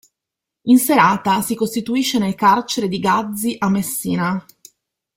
In serata si costituisce nel carcere di Gazzi a Messina.